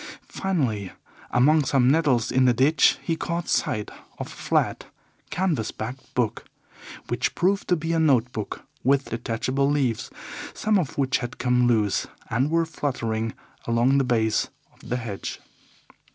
Finally, among some nettles in the ditch, he caught sight of a flat, canvas backed book, which proved to be a note book with detachable leaves, some of which had come loose and were fluttering along the base of the hedge.